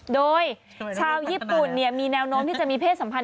โดยชาวญี่ปุ่นมีแนวโน้มที่จะมีเพศสัมพันธ